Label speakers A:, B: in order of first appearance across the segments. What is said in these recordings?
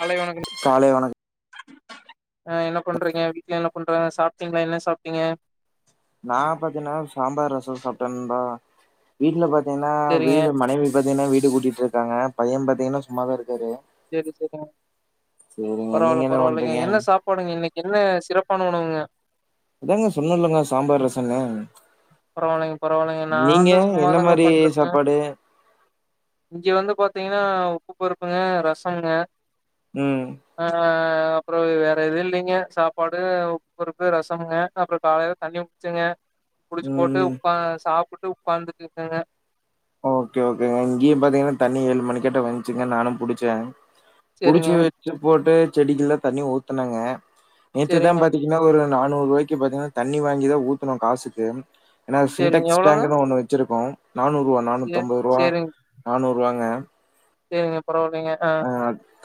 A: மாலை வணக்கங்
B: காலை வணக்கம்
A: எ என்ன பண்றீங்க வீட்ல என்ன பண்றாங்க சாப்ட்டீங்ளா என்ன சாப்ட்டீங்க
B: நா பாத்தீன்னா சாம்பார் ரசோ சாப்ட்டேன் நண்பா வீட்ல பா த்தீங்கன்னா
A: சேரிங்க
B: வீடு மனைவி பாத்தீங்கன்னா வீ ட்டுக்கு கூட்டிட்டு போய் இருக்காங்க பையன் பாத்தீங்கன்னா சும்மாதா இரு
A: செரி செரிங்க
B: சேரிங்க நீங்க
A: பரவாயில்ல
B: என்ன
A: பரவாயில்லைங்க
B: பண்றீங்க
A: என்ன சாப்பாடுங்க இன்னைக் என்ன சிறப்பான உணவுங்க
B: அதாங்க சொன்னலங்க சாம்பார் ரசம்னு
A: பரவாயில்லைங்க பரவாயில்லைங்க நான்
B: நீங்க
A: வந்து
B: என்ன
A: சும்மாதங்க
B: மாரி
A: உக்காந்துட் இருக்கேன்
B: சாப்பாடு
A: இங்க வந்து பாத் பாத்தீங்கன்னா உப்பு பருப்புங்க ரசங்க
B: உம்
A: அப்புறம் வேற எதுவும் இல்லைங்க சாப்பாடு உப்புருக்கு ரசம்ங்க அப்புறம் காலையில தண்ணி புடிச்சேங்க குடிச்சு போட்டு
B: ம்
A: உக்கா சாப்புட்டு உக்காந்துட்டு இருக்கங்க
B: ஓகே ஓகேங்க இங்கயே பாத்தீங்கன்னா தண்ணி ஏழு மணி கட்ட வந்துச்சுங்க நானும் புடிச்சேன்
A: சேரிங்க
B: புடிச்சு வச்சு போட்டு செடிக்குல்லாம் தண்ணி ஊத்துனங்க
A: சேரிங்க
B: நேத்துதான் பாத்தீங்கன்னா ஒரு நானூறு ரூவாய்கு பாத்தீங்கன்னா தண்ணி வாங்கிதான் ஊத்தணும் காசுக்கு ஏன்னா
A: சேரிங்க
B: சின்டெக்ஸ்ட்
A: எவ்ளோங்க
B: டேங்கு தான் ஒன்னு வச்சிருக்கோம் நாணுறு
A: சே
B: நானூத்து அம்பது ரூவா நானூறு போங்க
A: செரிங்க பரவாலிங்க ஆஹ்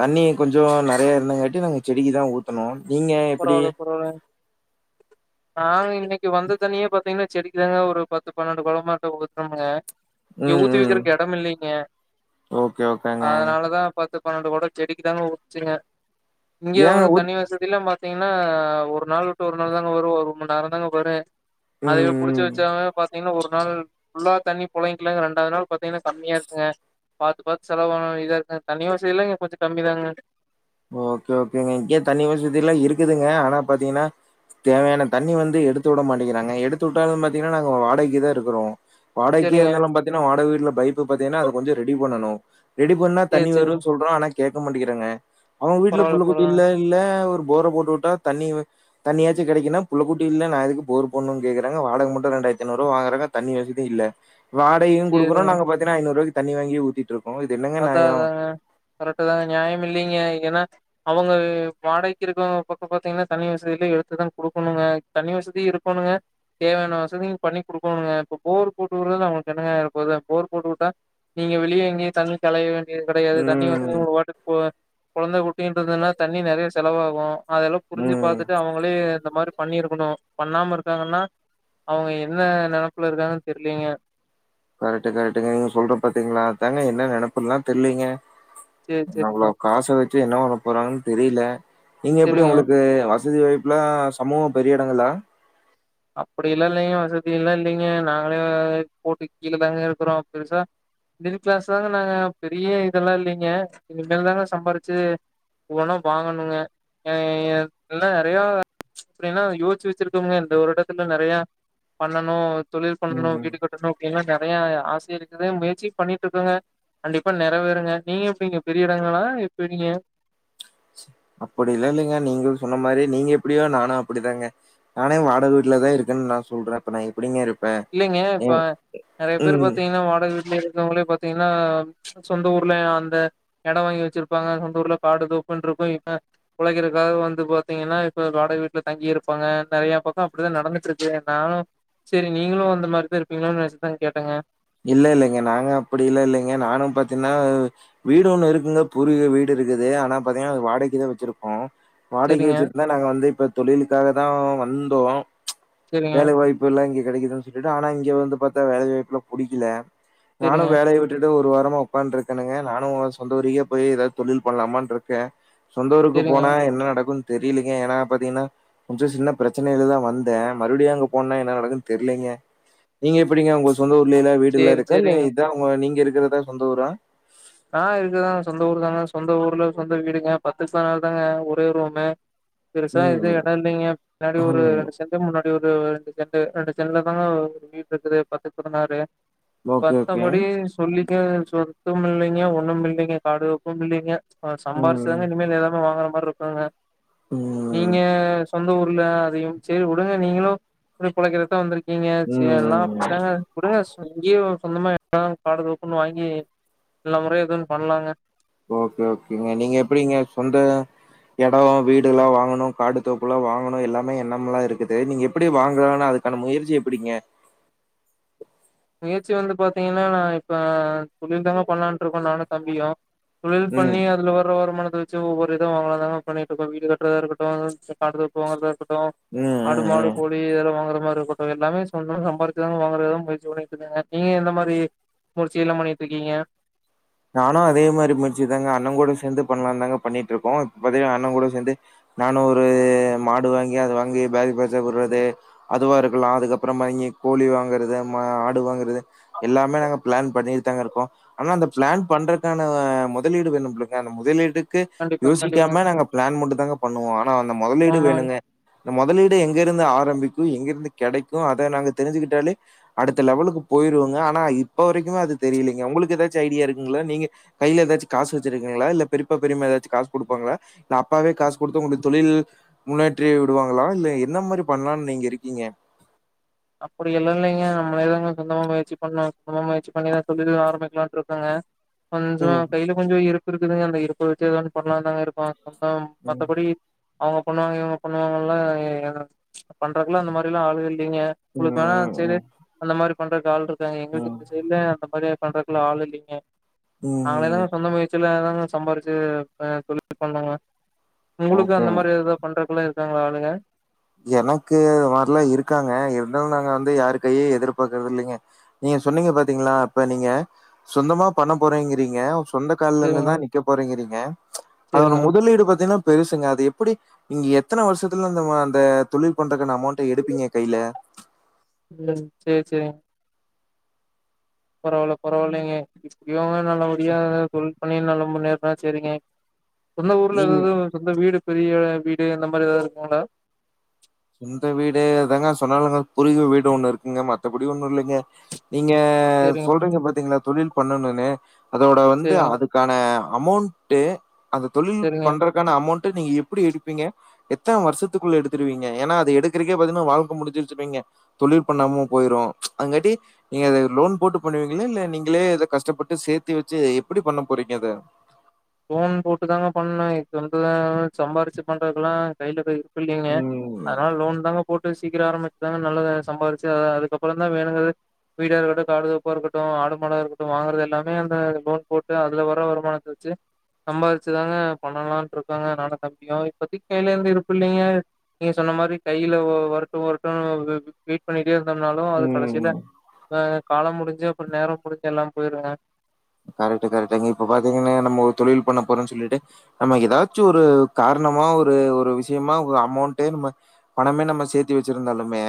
B: தண்ணி கொஞ்சோ நெறைய இருந்தங்காட்டி நாங்க செடிக்கு தா ஊத்தனோம்
A: பரவால்ல பரவால்ல நாங்க எங்க இங்க இன்னைக்கு வந்த தண்ணியே பாத்தீங்கன்னா செடிக்கு இல்லனா ஒரு பத்து பன்னெண்டு குடோமாட்டு ஊத்தனுங்க இங்க
B: ம் ம்
A: ஊத்துவெக்கிறக்கு எட இல்லைங்க
B: ஓகே ஓகேங்க
A: அதனாலதா பாத்து பன்னெண்டு குட செடிக்கு தா உச்சுங்க இங்க
B: ஏங்க
A: வந்து
B: ஊத்
A: தண்னி வசதியில பா பாத்தீங்கன்னா ஒரு நாள் விட்டு ஒரு நாள் தாங்க வரு ஒரு மண் நேர தாங்க வரு அத
B: ம்
A: புடிச்ச
B: ம்
A: வச்சாமே பாத்தீங்கன்னா ஒரு நாள் ஃபுல்லா தண்ணி புழைங்க்கலாங்க ரெண்டாவது நாள் பாத்தீங்கன்னா கம்மியா இருக்குங்க பாத்து பாத்து செலவ இதா இருக்குங்க தண்ணி வசதில்லா இங்க கொஞ்ச கம்மிதாங்க
B: ஓகே ஓகேங்க இங்க தண்ணி வசதிலா இருக்குதுங்க ஆனா பாத்தீங்கன்னா தேவையான தண்ணி வந்து எடுத்துட மாட்டேங்கிறாங்க எடுத்துவுட்டாலு பாத்தீங்கன்னா நாங்க வாடகைக்கு தா இருக்கிறோ வாடக்கே
A: சேரிங்க
B: இருந்தாலு பாத்தீன்னா வாடகை வீட்டுலப் பைப்பு பாத்தீன்னா அத கொஞ்ச ரெடி பண்ணனு ரெடி பண்ணா
A: சேரி
B: தண்ணி வரு
A: சேரிங்க
B: சொல்றோ ஆனா கேட்க மாட்டேங்கிறாங்க அவங்க வீட்டுல
A: பரவால்ல பரவால்ல
B: புள்ளக்குட்டி இல்ல
A: பரவால்லங்க.
B: இல்ல ஒரு போரை போட்டுட்டா தண்ணி தண்ணியாச்சு கெடைக்குனா புள்ளக்குட்டி இல்ல நா எதுக்கு போரு போடுணும்னு கெடக்குறாங்க வாடகை மட்டு ரெண்டாயிரத்தி ஐ நூறுவா வாங்கறாங்க தண்ணி வசதி இல்ல வாடகையு
A: சேரிங்க
B: குடுக்கணு நாங்க பாத்தங்கன்ன ஐநூறுவாய்க்கு தண்ணி வாங்கி ஊத்தி
A: அதா அதாங்க கரெக்ட்டு தாங்க நியாய இல்லிங்க ஏன்னா அவங்க வாடைக்கு இருக்கவங்க பக்கம் பாத்தீங்கன்னா தண்ணி வசதியில எடுத்துதா குடுக்கோணுங்க தண்ணி வசதி இருக்கோணுங்க தேவையான வசதியு பண்ணி குடுக்கோணுங்க இப்ப போர் போட்டுடறது அவங்களுக்கு என்னங்க ஆயரபோது போர் போட்டுட்டா நீங்க வெளியே எங்கேயே தண்ணி தலைவன் கெடையாது தண்ணி வசதி
B: ம்
A: உங்க பாட்டக்கு போவ கொழந்த குட்டின்றதுன்னா தண்ணி நெறைய செலவாகு அதெல்லா புரிஞ்சு
B: ம்
A: பாத்துட்டு அவங்களே இந்த மாரி பண்ணிருக்கணு பண்ணாம இருக்காங்கன்னா அவங்க என்ன நெனப்புல இருக்காங்கன்னு தெரியலீங்க
B: கரெக்ட் கரெக்ட்டுங்க. நீங்க சொல்ற பாத்தீங்களா? அதாங்க என்ன நெனப்புலா தெரியலீங்க
A: சேரி சேரிங்க
B: அவ்வளவு காசை வச்சு என்ன பண்ண போறாங்கன் தெரியல நீங்க எப்படி
A: சேரிங்க
B: உங்களுக்கு து வசதி வாயப்புலா சமூகம் பெரிய எடங்களா
A: அப்படிலா இல்லைங்க வசதிலா இல்லைங்க நாங்களே போட்டு கீழே தாங்க இருக்கிறோ பெருசா மிடில் கிளாஸ் தாங்க நாங்க பெரிய இதெல்லாம் இல்லைங்க இனிமேல் தாங்க சம்பாரிச்சு ஒவ்வன்னா வாங்கணுங்க எ எல்லா நெறைய அப்டின்னா யோசிச்சு வச்சிருக்கோங்க இந்த ஒரு டத்துல நெறைய பண்ணணு தொழில் பண்ணணு
B: ம்.
A: வீடு கட்டணு அப்படின்ல நெறைய ஆசை இருக்குது முயற்சி பண்ணிட்டு இருக்கோங்க கண்டிப்பா நெறைவேறுங்க நீங்க எப்படிங்க பெரிய எடங்களா இப்ப நீங்க
B: அப்டிலா இல்லைங்க நீங்க சொன்ன மாரி நீங்க எப்படியோ நானு அப்டிதாங்க நானே வாடக வீட்டுலதா இருக்கன்னு நா சொல்றே அப்ப நா எப்டிங்க இருப்பே
A: இல்லங்க இப்ப நெறைய பேர் பாத்தீங்னா வாடக வீட் இருக்குரவங்கள பாத்தீங்ன்னா சொந்த ஊர்ல அந்த எட வாங்கி வச்சிருப்பாங்க சொந்த ஊர்ல காடு தோப்புன்ருக்கு இ உழைக்கிறதுக்காக வந்து பாத்தீங்னா இப்ப வாடக வீட்டுல தங்கி இருப்பாங்க நெறைய பக்க அப்படிதா நடந்துட்ருக்கு நானு சரி நீங்களு அந்த மாரிதா இருப்பிங்ளோன் நெனச்சுதாங் கேட்டங்க
B: இல்லல்லங்க நாங்க அப்டில்லா இல்லங்க நானு பாத்தீன்னா வீடு ஒண்ணு இருக்குங்க பூர்வீக வீடு இருக்குது ஆனா பாத்தீங்கன்னா அது வாடக்கிதா வச்சிருக்கோ வாடகைக்கு
A: செரிங்க
B: வச்சிருந்தா நாங்க வந்து இப்ப தொழிலுக்காக தா வந் டுவோ
A: செரிங்க
B: வேலை வாய்ப்புல்லா இங்க கெடக்குதுன்னு சொல்லிட்டு ஆனா இங்க வந்து பாத்தா வேல வாய்ப்புலா புடிக்கல நானு
A: செரிங்க
B: வேலய விட்டுட்டு ஒரு வா சும்மா உக்கா ன்ருக்கனுங்க நானு சொந்த ஊருக்கே போய் ஏதாது தொழில் பண்லாமான் இருக்கே சொந்த ஊருக்கு
A: செரிங்க
B: போனா என்ன நடக்கு தெரியலங்க ஏன்னா பாத்தீங்ன்னா கொஞ்ச சின்ன பிரச்சனைலதா வந்தே மறுபடியும் அங்க போனனா என்ன நடக்குன்னு தெரியிலங்க நீங்க எப்படிங்க உங்க சொந்தொ உள்ளலா வீடுல்லாம்
A: சேரி
B: இருக்கா
A: செரிங்க
B: இல்லஇத உங்க நீங்க இருக் இதுதா சொந்த ஊரா
A: நா இருக்குதாங்க சொந்த ஊர் தாங்க சொந்த ஊர்ல சொந்த வீடுங்க பத்துக்கு பத்னாறு தாங்க ஒரே ரூமு பெருசா எது
B: ம்.
A: எடோ இல்லைங்க பின்னாடி ஒரு
B: ம்.
A: ரெண்டு சென்டு முன்னாடி ஒரு ரெண்டு செண்டு ரெண்டு சென்ல தாங்க வீட் ருக்குது பத்துக்கு பதினாரு
B: ஓகே, ஓகே.
A: பத்தபடி சொல்லிக்க சொ துமில்லங் ஒண்ணுமில்லங்க காடு தோப்பு மில்லங்க
B: ம்.
A: சம்பாரிச்சுதாங்க இனிமேல் எல்லாமே வாங்கனும் மாருறுக்காங்க நீங்க
B: ம்.
A: சொந்த ஊ நல்லா அதையும் சேர் உடுங்க நீங்களும் பொழக்கிறதுக்குதா வந்துரி ங்க சல்லாம்
B: ம்.
A: அப்படித்தாங்க வுடுங்க இங்கேயு சொந்தமா எப்படினாவது காடு தோப்புன்னு வாங்கி எல்லா முறையும் எதோ ஒன்னு பண்லாங்க
B: ஓகே ஓகேங்க நீங்க எப்படிங்க சொந்த எடோ வீடு ல்லாம் வாங்கணு காடு தோப்பு ல்லாம் வாங்கணு எல்லாமே எண்ணமெல்லா ருக்குது நீங்க எப்படி வாங்கலான்னு அதுக்கான முயற்சி எப்பிடிங்க
A: முயற்சி வந்து பாத்தீங்னா நா இப்ப தொழில் தாங்க பண்ணலான்ட்ருக்கோ நானு தம்பியு தொழில்
B: ம்.
A: பண்ணி அதுல வர்ற வருமானத வச் ஒவ்வொரு இத வாங்கலா தாங்க பண்ணிட்ருக்கோ வீடு கட்டுறதாருக்கட்டு காடு தோப்பு வாங்கறதா இருக்கட்டும்
B: ம்,
A: ஆடு
B: ம்,
A: மாடு
B: ம்.
A: கோழி இதெல்லா வாங்கற இருக்கட்டும் எல்லாமே சொந்தமா சம்பாரிச்சுதா வாங்குறதான் முயற்சி பண்ணிட் நீங்க எந்த மாரி முயற்ச்சியெல்லா பண்ணிட்ருக்கீங்க
B: நானு அதே மாரி முயற்சி தாங்க அண்ண கூட சேந்து பண்லான்தாங்க பண்ணிட் ருக்கோம் இப்ப பாத்தீங்னா அண்ணன் கூட சேந்து நானு ஒரு மாடு வாங்கி அது வாங்கி பேஜ் பேஜ்ஜா வுட்றது அதுவா ருக்கலா அதுக்கப்பறமா இங்கி கோழி வாங்குறது மா ஆடு வாங்கறது எல்லாமே நாங்க பிளான் பண்ணிட்டு தாங்க இருக்கோ ஆனா அந்த பிளான் பண்றதுக்கான முதலீடு வேணும் மில்லங்க அந்த முதலீடுக்
A: கண்டிப்பாங் கண்டிப்பாங்
B: யோசிக்காம நாங்க பிளான் மட்டும் தாங்க பண்ணுவோம் ஆனா அந்த முதலீடு
A: ஆமாங்
B: வேணுங்க இந்த முதலீடு எங்க இருந்து ஆரம்பிக்கு எங்கிருந்து கிடைக்கு அதை நாங்க தெரிஞ்சுகிட்டாலே அடுத்த லெவலுக்கு போயிருவோங்க ஆனா இப்போ வரைக்குமே அது தெரியலலைங்க உங்களுக்கு ஏதாச்ச ஐடியா இருக்குங்களா நீங்க கையில ஏதாச்சும் காசு வச்சிருக்கீங்களா இல்ல பெரியப்பா பெரிம்மா ஏதாச்சும் காசு கொடுப்பாங்களா இல்ல அப்பாவே காசு குடுத்து உங்களுக்கு தொழில் முன்னேற்றி விடுவாங்களா இல்ல என்ன மாதிரி பண்ணலாம்னு நீங்க இருக்கீங்க
A: அப்படி எல்லாம் இல்லைங்க நம்மளதாங்க சொந்தமா முயற்சி பண்ண சொந்த முயற்சி பண்ணிதான் சொல்லி ஆரம்பிக்கலாம்ட்டு இருக்கங்க கொஞ்சம்
B: ம்,
A: கையில கொஞ்சம் இரு இருக்குதுங்க அந்த இருப்பை வச்ச ஏதாவது பண்ணலாம் தாங்க இருக்கோம் கொந்தம்
B: ம்,
A: மத்தபடி அவங்க பண்ணுவாங்க இவங்க பண்ணுவாங்கனுலா பண்றக்குலா அந்த மாரி எல்லா ஆளுங்க இல்லைங்க
B: ம்,
A: உங்களுக்கு வேணா சேரி
B: ம்,
A: அந்த மாரி பண்றதுக்கு ஆள் இருக் காங்க எங்களுக்கு
B: ம்,
A: இந்த சைடுல அந்த மாரி பண்றதுக்குலா ஆள் இல்லிங்க
B: ம்.
A: நாங்களேதாங்க சொந்த முயற்சியிலதாங்க சம்பாரிச்சு வேற தொழில் பண்ணுங்க உங்களுக்கு
B: ஓகே.
A: அந்த மாரி ஏதாது பண்றதுக்லா இருக்காங்ளா ஆளுங்க
B: எனக்கு அது மாரிலா இருக்காங்க இருந்தாலு நாங்க வந்து யாரு கையையு எதிர்பாக்கறது இல்லைங்க நீங்க சொன்னிங்க பாத்தீங்ளா இப்ப நீங்க சொந்தமா பண்ண போறேங்றிங்க சொந்த
A: சேரிங்க
B: கால்லன்னுதா நிக்க போறேங்றிங் க அதோட
A: சேரிங்க
B: முதலீடு பாத்தினா பெருசுங்க அது எப்படி நீங்க எத்தனை வருஷத்துல அந்த இந்த தொழில் பண்றக்கான அமௌண்ட எடுப்பிங்க கைல
A: ம் சேர் சேரிங் பரவால பரவாலைங்க இவங்க நல்லபடியா எதாது தொழில் பண்ணி நல்லா முன்னேறுனா செரிங்க சொந்த ஊர்ல
B: நீங்
A: எதாவ்து சொந்த வீடு பெரிய வீடு இந்த மாரி எதாது இருக்குங்ளா
B: சொந்த வீடு அதாங்க சொன்னலங்க குருவி வீடு ஒண்ணு இருக்குங்க மத்தபடி ஒண்ணு இல்லைங்க நீங்க
A: சேரிங்க
B: சொல்றிங்க பாத்திங்ளா தொழில் பண்ணணுனு அதோட வந்து
A: சேரிங்க
B: அதுக்கான அமௌண்ட்டு அந்த தொழில்
A: சேரிங்க
B: பண்றக்கான அமௌண்ட் டு நீங்க எப்படி எடுப்பிங்க எத்தன வருஷத்துக்குள்ள எடுத்துருவிங் க ஏனா அத எடுக்கறக்கே பாத்தினா வாழ்க்க முடிஞ்சிடுச்சிம்பிங்க தொழில் பண்ணாம போயிரு அதுங்காட்டி நீங்க லோன் போட்டு பண்ணுவிங்ளா இல்ல நீங்களே இத கஷ்டப்பட்டு சேத்தி வெச்சு எப்படி பண்ண போறிங்க அத
A: லோன் போட்டு தாங்க பண்ணனு இப்ப இருக்குறதுல சம்பாரிச்சு பண்றதுக்கெலா கைல எது இல்லிங்க
B: ம்.
A: அதனால லோன் தாங்க போட்டு சீக்கிர ஆரம்பிச்சதாங்க நல்லா சம்பாரிச்சு அத அதுக்கப்புறந்தா வேணுங்கது வீடா இருக்கட்டு காடு தோப்பா இருக்கட்டு ஆடு மாடா இருக்கட்டு வாங்கறது எல்லாமே அந்த லோன் போட்டு அதுல வர்ற வருமானத்த வெச்சு சம்பாதிச்சுதாங்க பண்ணலான்ட்டு இருக்கங்க நானு தம்பியு இப்பத்திக்கு கைல எந்த இருப்பு இல்லைங்க நீங்க சொன்ன மாரி கையில வ வருட்டு வருட்டுனு வி வெயிட் பண்ணி ட்டே இருந்தம்னாலு அது கடைசில
B: ம்.
A: அ காலம் முடிஞ்சு அப்புற நேரம் முடிஞ்சு எல்லாம் போயிடுங்க
B: கரெட்டு கரெட்டுங்க இப்ப பாத்திங்கனா நம்ம ஒரு தொழில் பண்ண போறோன் சொல்லிட்டு நம்ம எதாச்சி ஒரு காரணமா ஒரு ஒரு விஷயமா ஒரு அமௌண்ட்டே நம்ம பணமே நம்ம சேத்தி வெச்சிருந்தாலுமே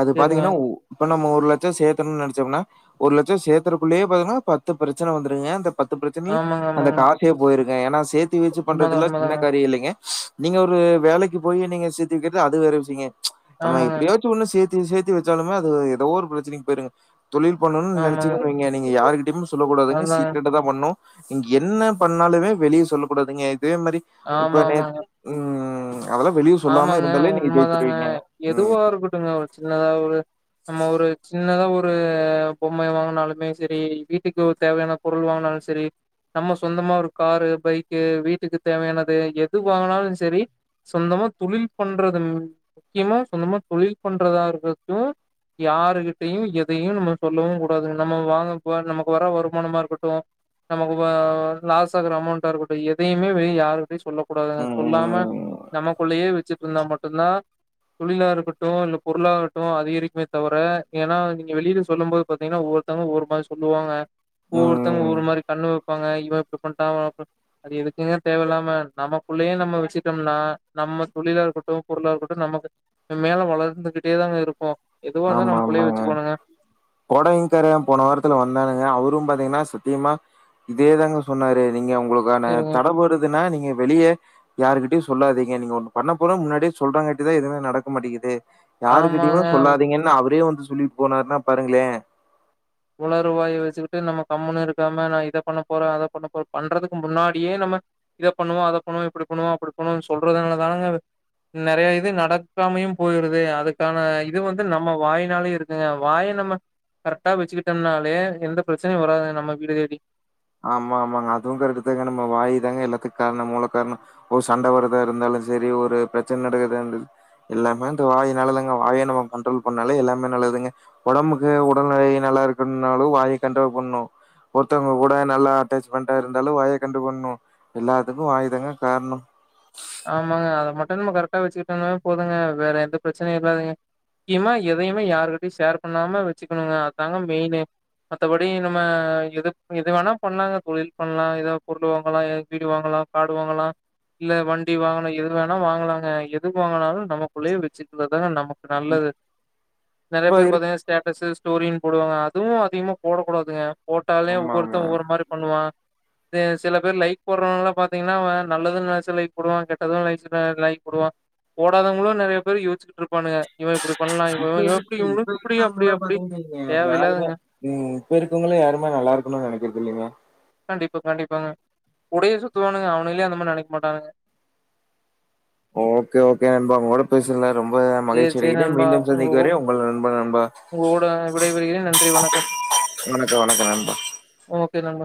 B: அது
A: சேரிங்க
B: பாத்திங்கனா இப்ப நம்ம ஒரு லட்ச சேத்தனுன் நெனச்சம்னா ஒரு லட்ச சேத்தரக்குள்ளயே பாங்கனா பத்து பிரச்சன வந்துருங்க அந்தப் பத்து பிரச்சனை
A: ஆமாங்க
B: அந்த
A: ஆமாங்க
B: காசே போயிருக் ஏ என்னாஸ் சேத்து வச்சு
A: உண்மதா
B: பண்றதுலாம் சின்ன
A: உண்மதாங்க
B: காரிய இல்லைங்க நீங்க ஒரு வேலைக்கு போய் நீங்க சேத்தி வைக்கிறது அது வேற விசியங்க ச் ஆனா
A: ஆமாங்க
B: எப்படியாச்சும் ஒண்ணு சேத் து சேத்தி வச்சாலுமே அது எதோ ஒரு பிரச்சனைக்கு போயிருங்க தொழில் பண்ணுன்னனு
A: ஆமாங்க
B: நெனைச்சீங்கனு வைங்க யாருகிட்டயுமே சொல்ல கூடாதுங்க
A: அதாங்க
B: சீக்ரட்டாதான் பண் ணு நீங்க என்ன பண்ணாலுமே வெளிய சொல்ல கூடாதுங்க அதே மாரி
A: ஆமா
B: இப்ப நேத்
A: ஆமாங்க
B: உம்
A: ஆமாங்க உண்மைதாங்க எதுவா இருக்கட்டுங்க ஒரு சின்னதா ஒரு நம்ம ஒரு சின்னதா ஒரு பொம்மைைய வாங்கினாலுமே சரி வீட்டுக்கு ஒரு தேவையான பொருள் வாங்னாலும் சரி நம்ம சொந்தமா ஒரு காரு பைக்கு வீட்டுக்கு தேவையானது எது வாங்குனாலும் சரி சொந்தமா தொழில் பண்றது முக்கியமா சொந்தமா தொழில் பண்றதா இருக்கட்டும் யாருகிட்டயும் எதையும் நம்ம சொல்லவும் கூடாதுங்க நம்ம வாங்க ப நமக்கு வர வருமானமா இருக்கட்டும் நமக்கு வ லாஸ் ஆகுற அமௌண்டா இருக்கட்டும் எதையுமே வெளிய யாருகிட்டையும் சொல்ல கூடாதுங்க
B: ம்,
A: சொல்லாம
B: ம்,
A: நமக் வச்சட்டு இருந்தா மட்டும்தான் தொழிலா இருக்கட்டும் இல்ல பொருளாகட்டும் அதிகரிக்குமே தவிர ஏன்னா நீங்க வெளில சொல்லும் போது பாத்தீங்கன்னா ஒவ்வொருத்தங்க ஒவ்வொரு மாதி சொல்லுவாங்க ஒவ்வொருதங்க
B: ம்.
A: ஒவ்வொருமாரி கண்ணு வப்பாங்க இவன் இப்டி பண்ட்டான் அவன் அப்டி அது எதுக்குங்க தேவயில்லாம நம்மக்குள்ளயே நம்ம வஷ்சிட்டோம்னா நம்ம தொழிலா இருக்கட்டும் பொருளா இருக்கட்டும் நமக்கு மேல வளர்ந்துகிட்டே தாங்க இருக்கும்
B: ஆமா ஆமாங்க பொடவைங்காரன் போன வாரத்துல வந்தானுங்க அவரும் பாத் திங்கனா சத்தியமா இதேதாங்க சொன்னாரு நீங்க உங்களுக்கான
A: சரிங்க
B: தட படுதுன்னா நீங் ங்க வெளிய யாருகிட்டயும் சொல்லாதீங்க நீங்க ஒண்ணு பண்ண போற முன்னாடியே சொல்றாங்கான்டிதான் எதுமே நடக்க மாட்டிக்குது யாருக்கிட்டயுமே
A: ஆமாங்க
B: சொல்லாது அவரே வந்து சொல்லிட்டு போனாருன்னா பாருங்களேன்
A: உலறு வாய வச்சுக்கிட்டு நம்ம கம்முன்னு இருக்காம நான் இத பண்ண போறேன் அத பண்ண போறேன் பண்றதுக்கு முன்னாடியே நம்ம இத பண்ணுவோம் அத பண்ணுவோம் இப்டி பண்ணுவோம் அப்டி பண்ணுவும்னு சொல்றதுனால தானங்க நெறைய இது நடக்காமையும் போயிருது அதுக்கான இது வந்து நம்ம வாயினாலே இருக்குங்க வாய நம்ம கரெக்டா வச்சுக்கிட் டம்னாலே எந்த பிரச்சனையும் வராதுங்க நம்ம வீடு தேடி
B: ஆமா ஆமாங்க அதுவும் கரெக்டுதாங்க நம்ம வாயி தாங்க எல்லாத்துக்கு காரணம் மூல காரணம் ஒரு சண்டை வரதா இருந்தாலும் சரி ஒரு பிரச்சன நடக்குறதா இருந்தா எல்லாமே அந்த வாயி நாலதாங்க வாய நம்ம கண்ட்ரோல் பண்ணாலே எல்லாமே நல்லதுங்க உடம்புக்கு உடல்நிலை நல்லா இருக்குனாலும் வாய கண்ட்ரோல் பண்ணணும் ஒருத்தவுங்க ஊட நல்லா அட்டாச்மெண்டா இருந்தாலும் வாய கண்டு பண்ணணும் எல்லாத்துக்கும் வாய்தாங்க காரணம்
A: ஆமாங்க அத மட்டும் நாம்ப கரெக்டா வச்சுக்கிட்டம்னா போதுங்க வேற எந்த பிரச்சனையும் இல்லைங்க முக்கியமா எதையுமே யார்கிட்டயும் ஷேர் பண்ணாம வச்சுக்கணுங்க அதாங்க மெயினு மத்தபடி நம்ப எது வேணா பண்ணலாங்க தொழில் பண்ணலாம் ஏதாவது பொருள் வாங்கலாம் எதாவது வீடு வாங்கலாம் காடு வாங்கலாம் இல்ல வண் டி வாங்கலா எது வேணா வாங்கலாங்க எது வாங்னாலும் நமக்குள்ளேயே வச்சுக்கறதாங்க நமக் நல்லது நெறைய
B: இப்ப
A: பேர்
B: இருக்
A: பாத்தீங்கனா ஸ்டேட்டஸு ஸ்டோரின் போடுவாங்க அதுவும் அதிகமா போட கூடாதுங்க போட்டாலே
B: ஆமாமா.
A: ஒவ்வொருத்த ஒவ்வொரு மாரி பண்ணுவான் சில பேர் லைக் போடுறவங்கல்லாம் பாத்தீங்கன்னா நல்லதுன்னு நெனச்சா லைக் போடுவான் கெட்டதும் லைஸ் லைக் போடுவான் போடாதவங்களும் நெறைய பேர் யோச்சிட்டு இருப்
B: உம்
A: இவனுக்கு
B: இப்ப
A: இப்டி அப்டி அப்டி. தேவையில்லாததுங்க.
B: இருக்கவுங்கள யாருமே நல்லா இருக்கணுன்னு நெனைக்கிறது இல்லிங்க
A: கண்டிப்பா கண்டிப்பாங்க கூடயே சுத்துவானுங்க அவனுங்களே அந்த மாரி நெனைக்க மாட்டானுங்க
B: ஓகே ஓகே நண்பா உ கூட பேசுன்லா ரொம்ப
A: சேரி,
B: மகிழ்ச்சி
A: சேரி
B: அடைகிறே
A: நண்பா.
B: மீண்டும்
A: உங்க
B: சந்திக்க வரை உங்கள் நண்பன்
A: உங்க கூட விடைபெறுகிறேன். நன்றி, வணக்கம்.
B: நண்பா
A: ஓகே நண்பா.